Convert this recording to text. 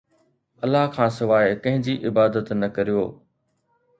الله کانسواءِ ڪنهن جي عبادت نه ڪريو